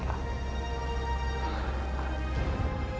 silahkan gusti fatih